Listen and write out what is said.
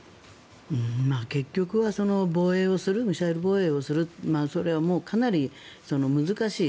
結局はミサイル防衛をするそれはかなり難しい。